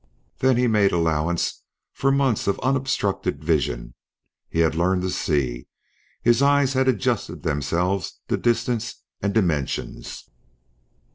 Then he made allowance for months of unobstructed vision; he had learned to see; his eyes had adjusted themselves to distance and dimensions.